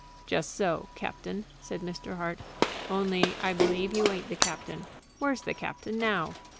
"Just so, captain," said Mr. Hart. "Only I believe you ain't the captain. Where's the captain now?